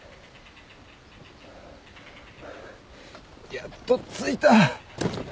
やっと着いた。